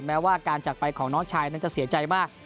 แม้ว่าการจักรไปของน้องชายนั้นจะเสียใจมาก